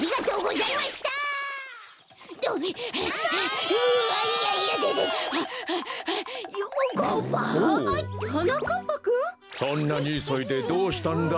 そんなにいそいでどうしたんだい？